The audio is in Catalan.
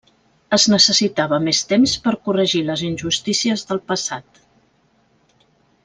Es necessitava més temps per corregir les injustícies del passat.